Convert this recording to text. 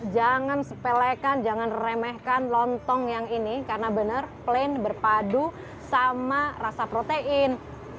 jangan sepelekan jangan remehkan lontong yang ini karena benar plain berpadu sama rasa protein